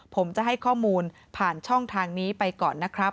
ผมจะให้ข้อมูลผ่านช่องทางนี้ไปก่อนนะครับ